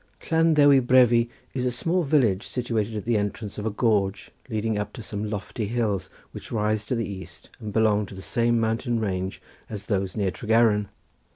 Llan Ddewi Brefi is a small village situated at the entrance of a gorge leading up to some lofty hills which rise to the east and belong to the same mountain range as those near Tregaron.